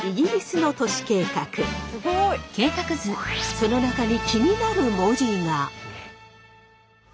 その中に気になる文字が。